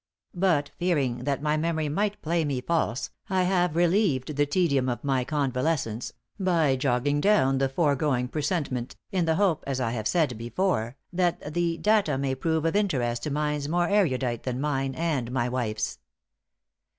But, fearing that my memory might play me false, I have relieved the tedium of my convalescence by jotting down the foregoing presentment, in the hope, as I have said before, that the data may prove of interest to minds more erudite than mine and my wife's.